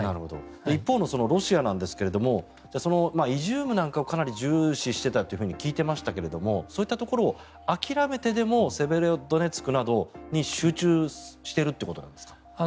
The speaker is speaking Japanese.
一方のロシアなんですがイジュームなんかをかなり重視していたと聞いていましたがそういったところを諦めてでもセベロドネツクなどに集中しているということなんですか？